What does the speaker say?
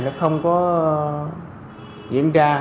nó không có diễn ra